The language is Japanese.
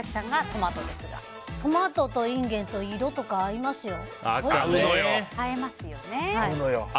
トマトとインゲンの色とか合いますよ。